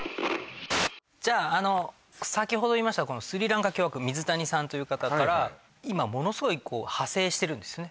じゃあ先ほど言いましたスリランカ狂我国水谷さんという方から今ものすごい派生してるんですね